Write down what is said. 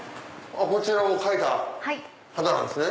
こちらを描いた方なんですね。